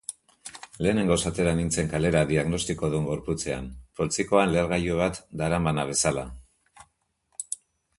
Lehenengoz atera nintzen kalera diagnostikodun gorputzean, poltsikoan lehergailu bat daramana bezala.